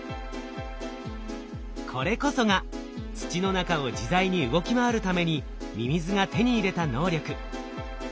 これこそが土の中を自在に動き回るためにミミズが手に入れた能力。